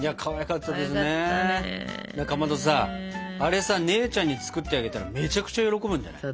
かまどさあれさ姉ちゃんに作ってあげたらめちゃくちゃ喜ぶんじゃない？